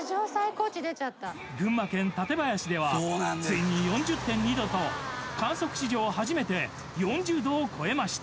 「群馬県館林ではついに４０．２℃と観測史上初めて４０℃を超えました」